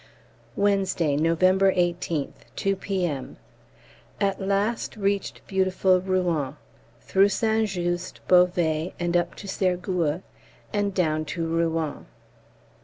Wednesday, November 18th, 2 P.M. At last reached beautiful Rouen, through St Just, Beauvais, and up to Sergueux, and down to Rouen.